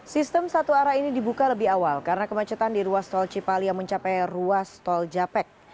sistem satu arah ini dibuka lebih awal karena kemacetan di ruas tol cipali yang mencapai ruas tol japek